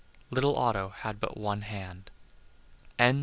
Little Otto had but one hand. XII.